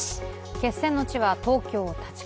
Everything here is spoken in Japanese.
決選の地は東京・立川。